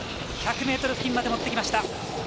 １００ｍ付近まで持ってきました。